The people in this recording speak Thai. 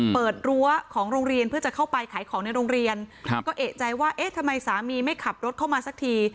รั้วของโรงเรียนเพื่อจะเข้าไปขายของในโรงเรียนครับก็เอกใจว่าเอ๊ะทำไมสามีไม่ขับรถเข้ามาสักที